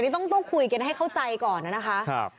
นี่ต้องคุยกันให้เข้าใจก่อนนะคะ